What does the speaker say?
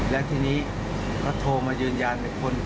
และทีนี้เขาโทรมายืนยาน